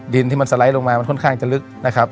ดินที่มันสไลด์ลงมามันค่อนข้างจะลึกนะครับ